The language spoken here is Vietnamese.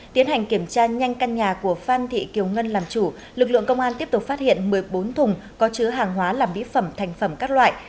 tiến hành kiểm tra nhanh căn nhà của phan thị kiều ngân làm chủ lực lượng công an tiếp tục phát hiện một mươi bốn thùng có chứa hàng hóa làm mỹ phẩm thành phẩm các loại